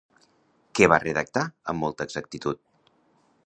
Què va redactar amb molta exactitud?